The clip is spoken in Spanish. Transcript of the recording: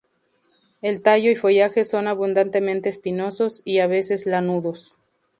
El tallo y follaje son abundantemente espinosos, y a veces lanudos.